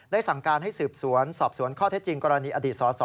สั่งการให้สืบสวนสอบสวนข้อเท็จจริงกรณีอดีตสส